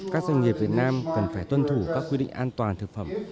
các doanh nghiệp việt nam cần phải tuân thủ các quy định an toàn thực phẩm